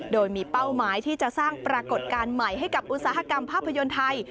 โดยมีเป้าหมายที่จะสร้างปรากฏการณ์ใหม่ให้กับอุตสาหกรรมภาพยนตร์ไทย